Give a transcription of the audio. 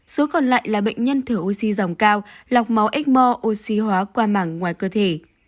số còn lại là bệnh nhân thở oxy dòng cao lọc máu ếchmore oxy hóa qua mảng ngoài cơ thể